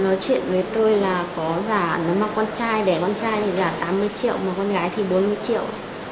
nói chuyện với tôi là có giả nếu mà con trai đẻ con trai thì giả tám mươi triệu một con gái thì bốn mươi triệu